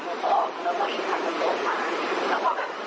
ฝั่งตัวออกแล้วก็วิ่งตามตรงตรงมาแล้วก็แบบ